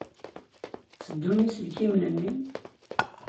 Tteddun yiselkimen-nni?